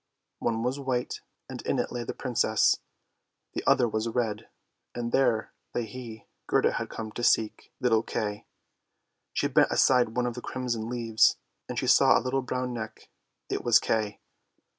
One was white, and in it lay the Princess ; the other was red, and there lay he whom Gerda had come to seek — little Kay ! She bent aside one of the crimson leaves, and she saw a little brown neck. It was Kay!